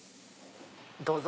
どうぞ。